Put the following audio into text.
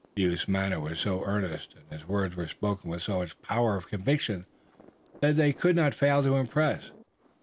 The youth's manner was so earnest and his words were spoken with so much power of conviction that they could not fail to impress.